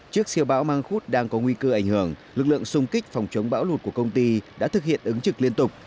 trước siêu bão mang khúc đang có nguy cơ ảnh hưởng lực lượng xung kích phòng chống bão lụt của công ty đã thực hiện ứng trực liên tục